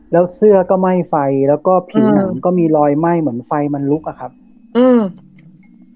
แล้วเสื้อก็ไหม้ไฟแล้วก็ผิวหนังก็มีรอยไหม้เหมือนไฟมันลุกอ่ะครับอืม